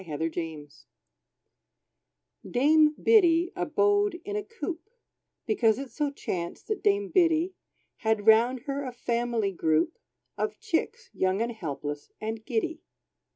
=Dame Biddy= Dame Biddy abode in a coop, Because it so chanced that dame Biddy Had round her a family group Of chicks, young, and helpless, and giddy.